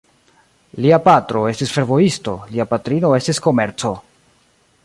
Lia patro estis fervojisto, lia patrino estis komerco.